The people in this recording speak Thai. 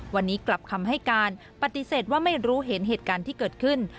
วันนี้กลับคำให้การปฏิเสธว่าไม่รู้เห็นเหตุการณ์ที่เกิดขึ้น